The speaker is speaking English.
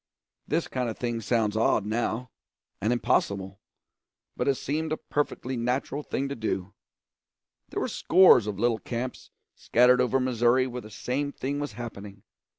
This kind of thing sounds odd now, and impossible, but it seemed a perfectly natural thing to do. There were scores of little camps scattered over Missouri where the same thing was happening.